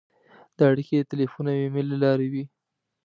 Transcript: دا اړیکې د تیلفون او ایمېل له لارې وې.